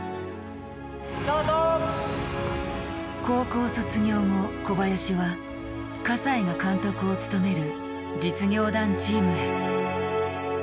高校卒業後小林は西が監督を務める実業団チームへ。